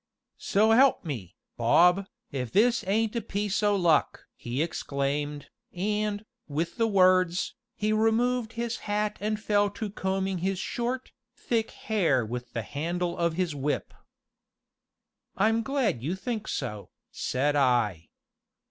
"So 'elp me, Bob, if this ain't a piece o' luck!" he exclaimed, and, with the words, he removed his hat and fell to combing his short, thick hair with the handle of his whip. "I'm glad you think so," said I.